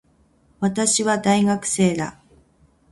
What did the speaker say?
私は、大学生だ。